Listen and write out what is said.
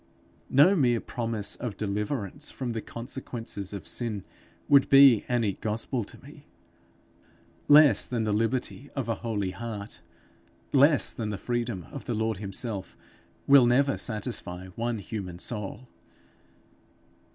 No mere promise of deliverance from the consequences of sin, would be any gospel to me. Less than the liberty of a holy heart, less than the freedom of the Lord himself, will never satisfy one human soul.